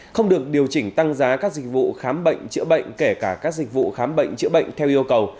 không được điều chỉnh tăng giá các dịch vụ khám bệnh chữa bệnh kể cả các dịch vụ khám bệnh chữa bệnh theo yêu cầu